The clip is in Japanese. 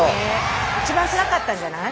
一番つらかったんじゃない？